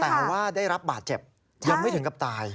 แต่ว่าได้รับบาดเจ็บยังไม่ถึงกับตาย